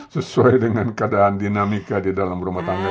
sesuai dengan keadaan dinamika di dalam rumah tangga